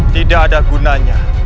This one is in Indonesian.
tidak ada gunanya